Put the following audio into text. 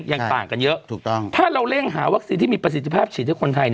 ยังต่างกันเยอะถูกต้องถ้าเราเร่งหาวัคซีนที่มีประสิทธิภาพฉีดให้คนไทย